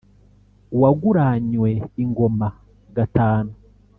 uwaguranywe ingoma gatanu.